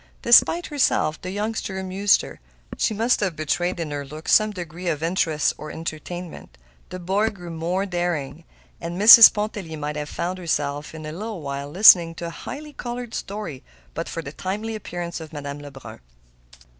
Despite herself, the youngster amused her. She must have betrayed in her look some degree of interest or entertainment. The boy grew more daring, and Mrs. Pontellier might have found herself, in a little while, listening to a highly colored story but for the timely appearance of Madame Lebrun.